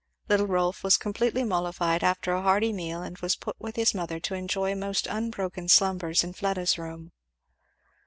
Little Rolf was completely mollified after a hearty meal and was put with his mother to enjoy most unbroken slumbers in Fleda's room.